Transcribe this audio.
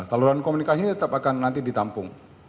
saya kira itu